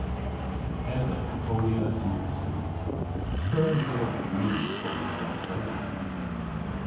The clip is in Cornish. Ev a yll ponya yn uskis. P'eur hyllowgh hwi ponya rag Kernow?